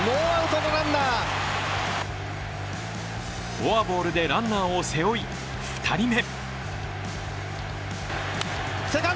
フォアボールでランナーを背負い２人目。